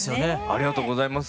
ありがとうございます。